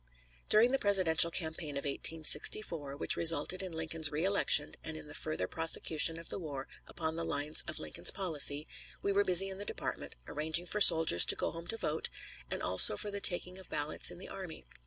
During the presidential campaign of 1864, which resulted in Lincoln's re election and in the further prosecution of the war upon the lines of Lincoln's policy, we were busy in the department arranging for soldiers to go home to vote, and also for the taking of ballots in the army.